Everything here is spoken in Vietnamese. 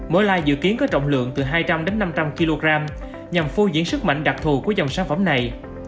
mỗi like dự kiến có trọng lượng từ hai trăm linh đến năm trăm linh kg nhằm phô diễn sức mạnh đặc thù của dòng sản phẩm này